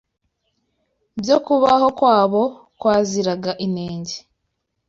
byo kubaho kwabo kwaziraga inenge.